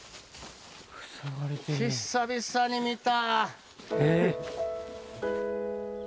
久々に見た。